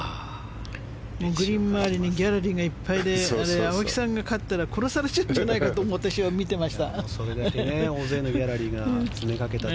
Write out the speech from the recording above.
グリーン周りにギャラリーがいっぱいで青木さんが勝ったら殺されちゃうんじゃないかと思って見てました。